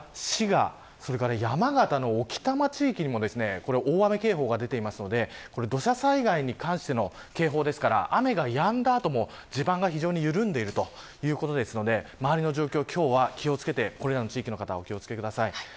山形の一部地域にも大雨警報が出ていますので土砂災害に関しての警報ですから雨がやんだ後も地盤が非常に緩んでいるということですので周りの状況、今日は気を付けてこれらの地域の方はお気を付けください。